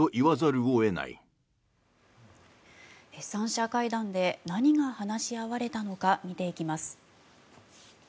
３者会談で何が話し合われたのか見ていきます。